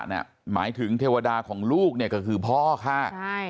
หมายถึงเทวดาของลูกก็คือพ่อข้า